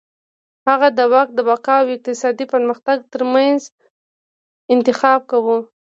هغه د واک د بقا او اقتصادي پرمختګ ترمنځ انتخاب کاوه.